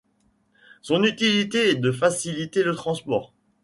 Son utilité est de faciliter le transport.